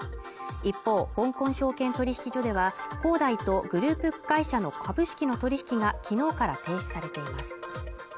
一方香港証券取引所では恒大とグループ会社の株式の取り引きがきのうから停止されています